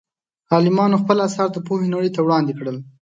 عالمانو خپل اثار د پوهې نړۍ ته وړاندې کړل.